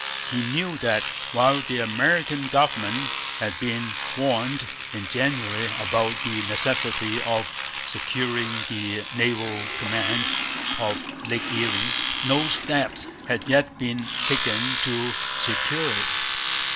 He knew that, while the American government had been warned in January about the necessity of securing the naval command of Lake Erie, no steps had yet been taken to secure it.